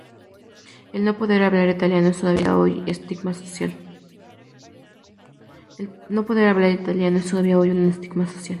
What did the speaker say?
El no poder hablar italiano es todavía hoy un estigma social.